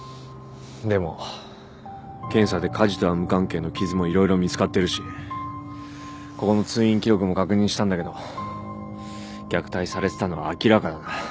でも検査で火事とは無関係の傷も色々見つかってるしここの通院記録も確認したんだけど虐待されてたのは明らかだな。